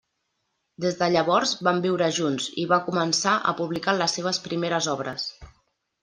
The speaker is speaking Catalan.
Des de llavors van viure junts i va començar a publicar les seves primeres obres.